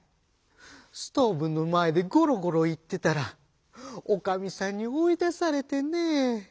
ストーブの前でゴロゴロ言ってたらおかみさんに追い出されてねぇ」。